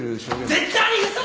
絶対に嘘だ！